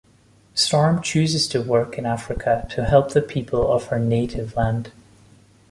Storm chooses to work in Africa, to help the people of her native land.